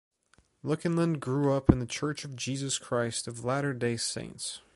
Lookinland grew up in The Church of Jesus Christ of Latter-day Saints.